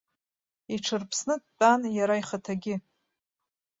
Иҽырԥсны дтәан иара ихаҭагьы.